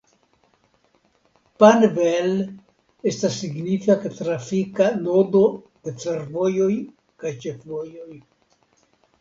Panvel estas signifa trafika nodo de fervojoj kaj ĉefvojoj.